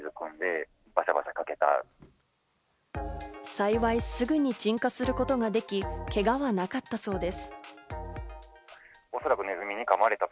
幸い、すぐに鎮火することができ、けがはなかったそうです。